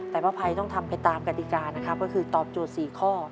แต่ป้าภัยต้องทำไปตามกติกานะครับก็คือตอบโจทย์๔ข้อ